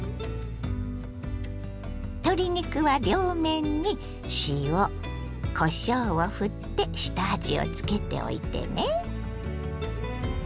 鶏肉は両面に塩こしょうをふって下味をつけておいてね。